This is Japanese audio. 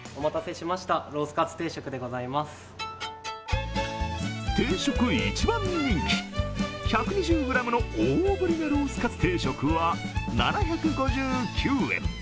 定食一番人気、１２０ｇの大ぶりなロースカツ定食は７５９円。